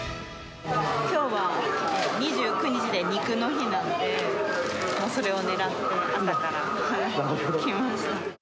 きょうは２９日で肉の日なんで、それを狙って朝から来ました。